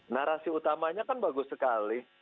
narasi utamanya kan bagus sekali